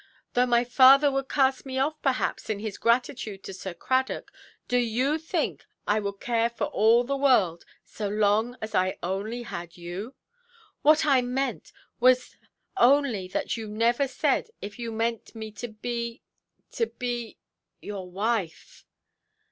Though my father would cast me off, perhaps, in his gratitude to Sir Cradock, do you think I would care for all the world, so long as I only had you? What I meant was only that you never said if you meant me to be—to be—your wife".